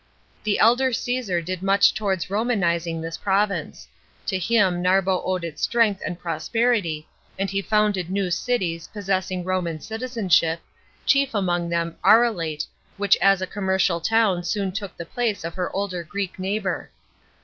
The elder Caesar did much towards Rom.ani .ing this province. To him Narbo owed its strength and prosperity, and he founded new cities, possessing Roman citizenship, chief among them Arelate which as a commercial town soon took the place of her older Greek neighbour.